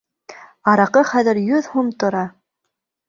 Араҡы хәҙер йөҙ һум тора!